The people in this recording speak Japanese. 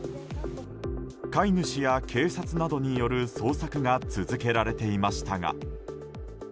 飼い主や警察などによる捜索が続けられていましたが。